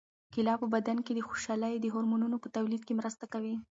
کیله په بدن کې د خوشالۍ د هورمونونو په تولید کې مرسته کوي.